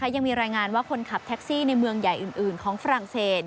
ยังมีรายงานว่าคนขับแท็กซี่ในเมืองใหญ่อื่นของฝรั่งเศส